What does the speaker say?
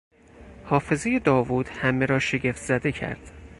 حافظهی داوود همه را شگفتزده کرد.